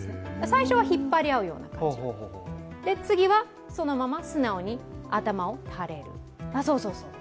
最初は引っ張り合うような感じで、次はそのまま素直に頭を垂れる。